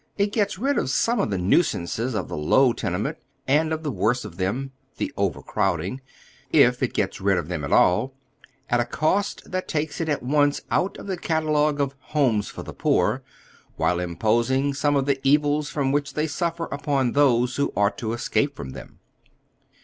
It gets rid of some of the nuisances of the low tenement, and of the worst of them, the overcrowding — if it gets rid of them at all — at a cost that takes it at once out of the catalogue of " homes for the poor," while imposing some Of the evils from which they suffer upon those who ought to escape from them.